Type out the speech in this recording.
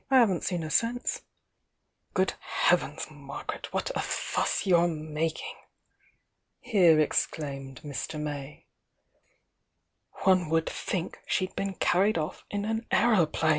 I haven't seen her since." ««> «ea •"^^ heavens, Margaret, what a fuss you're mak ing! here exclaimed Mr. May. "One would think she d been carried off in an aeroplane